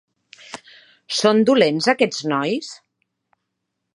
Són dolents aquests nois?